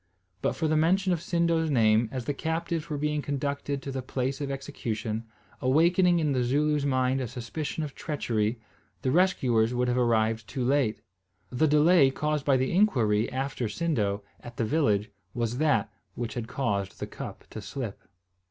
But for the mention of Sindo's name, as the captives were being conducted to the place of execution, awakening in the Zooloo's mind a suspicion of treachery, the rescuers would have arrived too late. The delay caused by the inquiry after Sindo, at the village, was that which had caused the cup to slip.